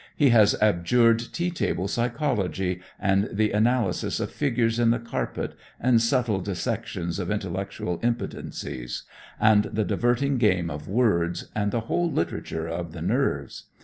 He has abjured tea table psychology, and the analysis of figures in the carpet and subtile dissections of intellectual impotencies, and the diverting game of words and the whole literature of the nerves.